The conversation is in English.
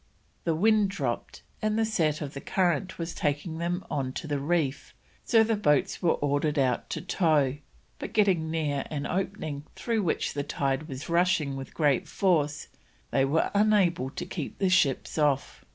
The wind dropped, and the set of the current was taking them on to the reef, so the boats were ordered out to tow, but getting near an opening through which the tide was rushing with great force, they were unable to keep the ships off.